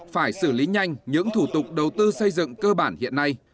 phải xử lý nhanh những thủ tục đầu tư xây dựng cơ bản hiện nay